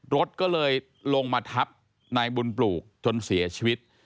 รถก็เลยลงมาทับนายบุญปลูกจนเสียชีวิต